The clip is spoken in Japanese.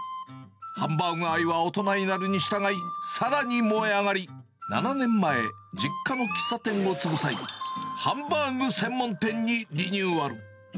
ハンバーグ愛は大人になるにしたがい、さらに燃え上がり、７年前、実家の喫茶店を継ぐ際、ハンバーグ専門店にリニューアル。